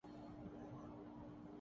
اب ایک آدھ ٹیسٹ ہوا ہے، مزید ہونے ہیں۔